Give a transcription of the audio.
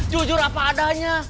jujur apa adanya